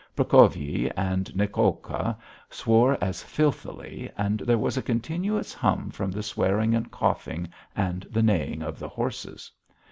Prokofyi and Nicolka swore as filthily and there was a continuous hum from the swearing and coughing and the neighing of the horses.